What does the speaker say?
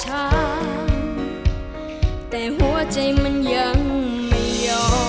หรือว่าจังหวาย